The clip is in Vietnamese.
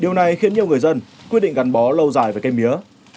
điều này khiến nhiều người dân quyết định gắn bó lâu dài với cây mía